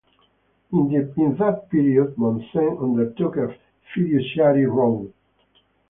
In that period, Monsen undertook a fiduciary role v.a.v.